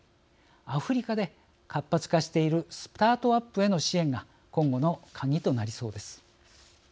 アフリカで活発化しているスタートアップへの支援が今後の鍵となりそうです。